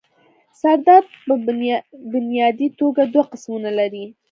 سر درد پۀ بنيادي توګه دوه قسمونه لري